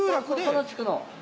この地区の。